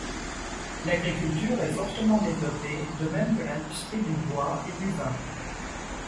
L'agriculture est fortement développée de même que l'industrie du bois et du vin.